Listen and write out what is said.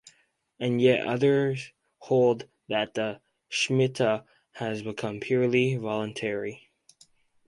And yet others hold that the Shmita has become purely voluntary.